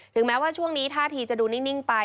แม้ว่าช่วงนี้ท่าทีจะดูนิ่งไป